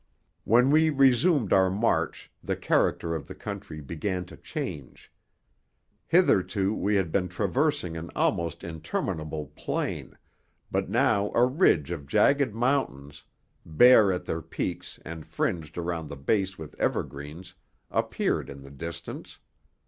When we resumed our march the character of the country began to change. Hitherto we had been traversing an almost interminable plain, but now a ridge of jagged mountains, bare at their peaks and fringed around the base with evergreens, appeared in the distance.